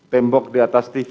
tembok di atas tv